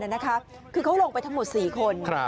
คือที่เขาของไปทั้งหมด๔คน